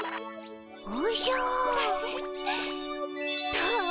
どう？